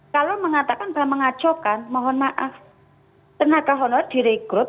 kalau mengatakan bahwa mengacaukan mohon maaf tenaga honorer direkrut itu pasti berdasarkan